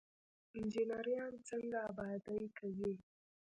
انجنیران څنګه ابادي کوي؟